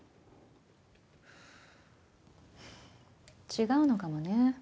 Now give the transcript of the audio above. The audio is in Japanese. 違うのかもね。